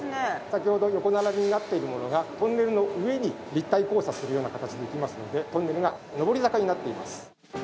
先ほど横並びになっているものがトンネルの上に立体交差するような形できますのでトンネルが上り坂になっています。